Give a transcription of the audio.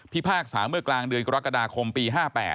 พากษาเมื่อกลางเดือนกรกฎาคมปี๕๘